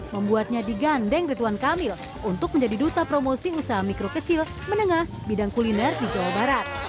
membuatnya digandeng rituan kamil untuk menjadi duta promosi usaha mikro kecil menengah bidang kuliner di jawa barat